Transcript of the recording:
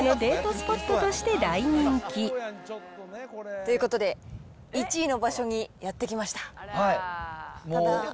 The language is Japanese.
スポットとして大人気。ということで、１位の場所にやって来ました。